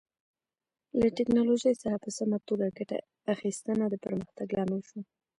له ټکنالوژۍ څخه په سمه توګه ګټه اخیستنه د پرمختګ لامل شو.